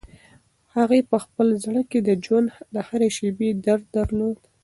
هغې په خپل زړه کې د ژوند د هرې شېبې درد درلود.